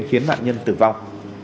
khiến mạng nhân tử vong